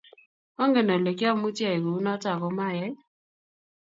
Ongen Ole kiamuchi ayai kounoto ago mayai